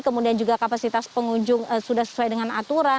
kemudian juga kapasitas pengunjung sudah sesuai dengan aturan